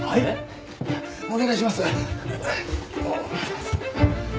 お願いします。